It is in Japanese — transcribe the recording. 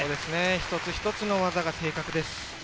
一つ一つの技が正確です。